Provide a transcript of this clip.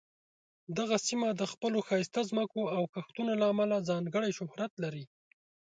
دغه سیمه د خپلو ښایسته ځمکو او کښتونو له امله ځانګړې شهرت لري.